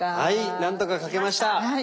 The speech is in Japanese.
はい何とか描けました。